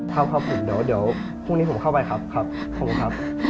ครับครับผมเดี๋ยวพรุ่งนี้ผมเข้าไปครับครับขอบคุณครับ